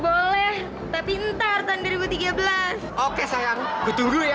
boleh tapi entar tahun dua ribu tiga belas oke sayang nytum ya